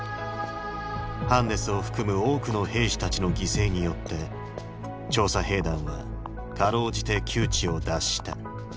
ハンネスを含む多くの兵士たちの犠牲によって調査兵団はかろうじて窮地を脱した。